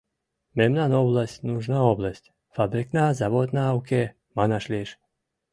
Мемнан область — нужна область: фабрикна, заводна уке, манаш лиеш.